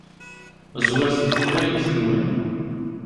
Zwiret seg teqbaylit-nwen.